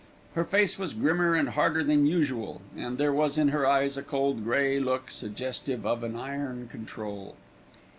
Her face was grimmer and harder than usual, and there was in her eyes a cold, grey look, suggestive of an iron control.